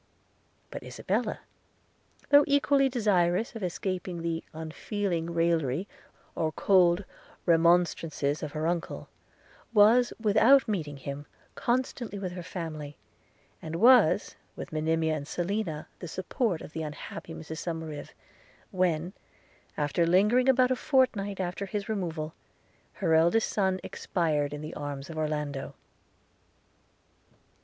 But Isabella, though equally desirous of escaping the unfeeling raillery or cold remonstrances of her uncle, was, without meeting him, constantly with her family, and was, with Monimia and Selina, the support of the unhappy Mrs Somerive, when, after lingering about a fortnight after his removal, her eldest son expired in the arms of Orlando.